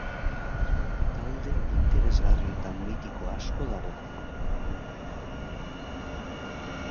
Talde interesgarri eta mitiko asko dago.